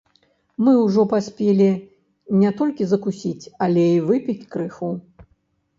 Мы ўжо паспелі не толькі закусіць, але й выпіць крыху.